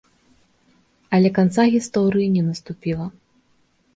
Але канца гісторыі не наступіла.